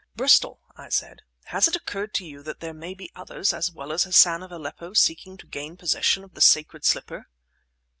"Bristol," I said, "has it occurred to you that there may be others, as well as Hassan of Aleppo, seeking to gain possession of the sacred slipper?"